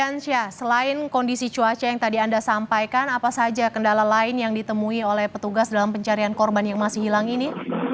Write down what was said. yansyah selain kondisi cuaca yang tadi anda sampaikan apa saja kendala lain yang ditemui oleh petugas dalam pencarian korban yang masih hilang ini